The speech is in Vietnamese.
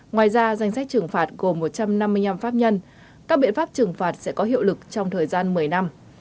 ngoài ra danh sách trừng phạt gồm một trăm năm mươi năm pháp nhân các biện pháp trừng phạt sẽ có hiệu lực trong thời gian một mươi năm